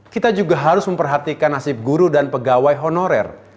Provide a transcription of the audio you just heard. kita juga harus memperhatikan nasib guru dan pegawai honorer